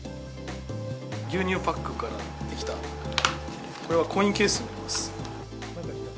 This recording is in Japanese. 牛乳パックから出来た、これはコインケースになります。